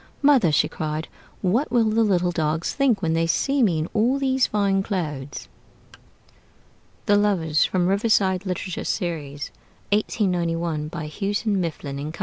'Mother,' she cried, 'what will the little dogs think when they see me in all these fine clothes?'" THE LOVERS From 'Riverside Literature Series': 1891, by Houghton, Mifflin & Co.